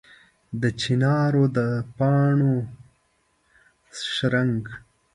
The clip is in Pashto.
د چنار د پاڼو شرنګ